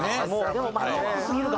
でもマニアックすぎるかな。